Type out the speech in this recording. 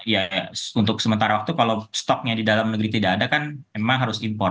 ya untuk sementara waktu kalau stoknya di dalam negeri tidak ada kan memang harus impor